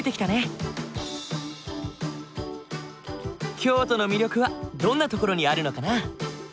京都の魅力はどんなところにあるのかな？